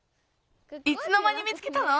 いつのまに見つけたの？